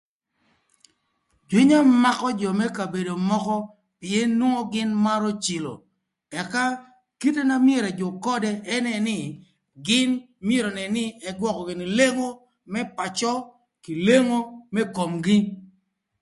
Jwïnya makö jö më kabedo mökö pïën nwongo gïn marö cilo ëka kite na myero ëjük ködë ënë nï gïn myero önën nï ëgwökö lengo më pacö kï lengo më komgï.